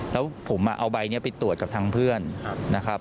แล้วผมเอาใบนี้ไปตรวจกับทางเพื่อนนะครับ